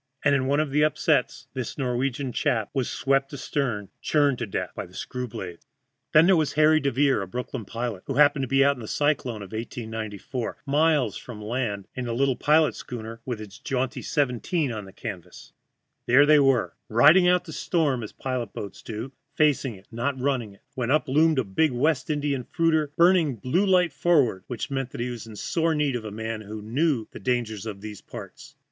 And in one of the upsets this Norwegian chap was swept astern and churned to death in the screw blades. [Illustration: A PILOT BOAT RIDING OUT A STORM.] Then there was Harry Devere, a Brooklyn pilot, who happened to be out in the cyclone of 1894, miles from land, in the little pilot schooner, with its jaunty "17" on the canvas. There they were, riding out the storm, as pilot boats do (facing it, not running), when up loomed a big West Indian fruiter, burning a blue light forward, which meant she was in sore need of a man at the wheel who knew the dangers in these parts.